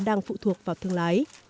đang phụ thuộc vào thương lái